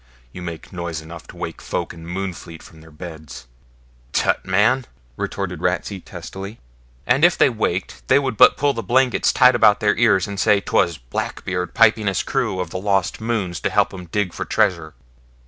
You make noise enough to wake folk in Moonfleet from their beds.' 'Tut, man,' retorted Ratsey testily, 'and if they waked, they would but pull the blankets tight about their ears, and say 'twas Blackbeard piping his crew of lost Mohunes to help him dig for treasure.'